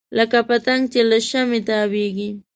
لکه پتنګ چې له شمعې تاویږي.